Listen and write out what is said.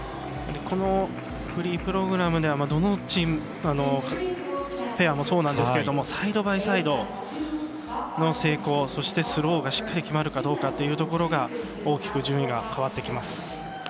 このフリープログラムではどのペアもそうなんですがサイドバイサイドの成功そして、スローがしっかり決まるかどうかというところが大きく順位が変わってきます。